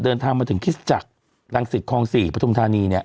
เดินทางมาถึงพิษจักรรังศิษย์คองสี่ปฐมธานีเนี้ย